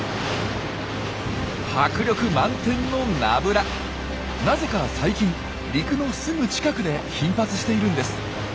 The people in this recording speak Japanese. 迫力満点のなぜか最近陸のすぐ近くで頻発しているんです。